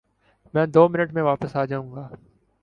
میں دو منٹ میں واپس آ جاؤں گا